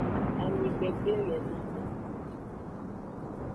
Ami gbegble le lanme.